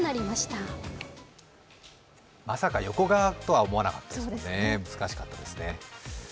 まさか横顔だとは思わなかったですよね。